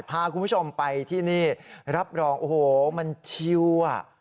พาคุณผู้ชมไปที่นี่รับรองโอ้โหมันชิวอ่ะ